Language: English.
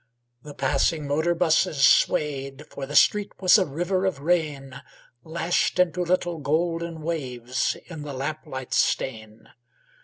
The passing motor busses swayed, For the street was a river of rain, Lashed into little golden waves In the lamp light's stain.